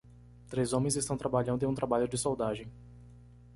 Três homens estão trabalhando em um trabalho de soldagem.